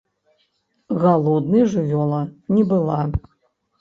Галоднай жывёла не была.